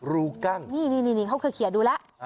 รูกล้างนี่เขาเคยดูละ